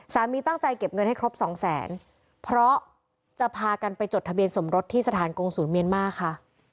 สามีตั้งใจเก็บเงินให้ครบสองแสนเพราะจะพากันไปจดทะเบียนสมรสที่สถานกงศูนย์เมียนมาร์ค่ะ